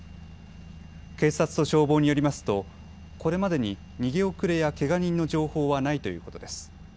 警察と消防によりますとこれまでに逃げ遅れやけが人の情報はないということです。